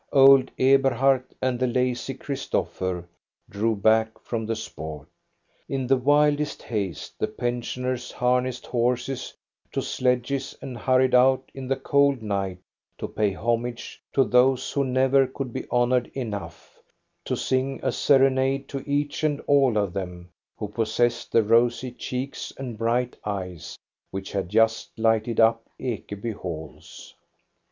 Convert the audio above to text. Old Eberhard and the lazy Christopher drew back from the sport. In the wildest haste the pensioners har nessed horses to sledges and hurried out in the cold night to pay homage to those who never could be THE BALL AT EKEBY 103 honored enough, to sing a serenade to each and all of them who possessed the rosy cheeks and bright eyes which had just lighted up Ekeby halls.